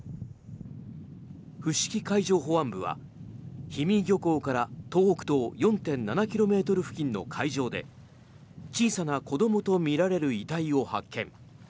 伏木海上保安部は氷見漁港から東北東４．７ｋｍ付近の海上で小さな子どもとみられる遺体を発見。